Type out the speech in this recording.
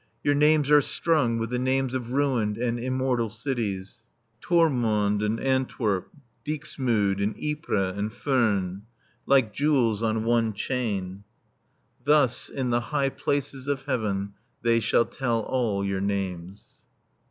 Your names are strung with the names of ruined and immortal cities, Termonde and Antwerp, Dixmude and Ypres and Furnes, Like jewels on one chain Thus, In the high places of Heaven, They shall tell all your names.